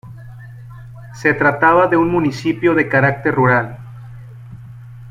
Se trataba de un municipio de carácter rural.